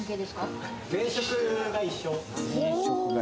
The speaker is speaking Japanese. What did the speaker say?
前職が一緒。